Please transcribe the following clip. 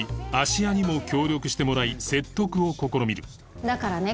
芦屋にも協力してもらい説得を試みるだからね